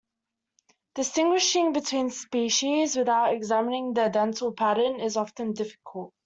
Distinguishing between species without examining the dental pattern is often dificult.